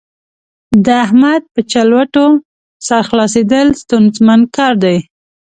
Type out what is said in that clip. د احمد په چلوټو سر خلاصېدل ستونزمن کار دی.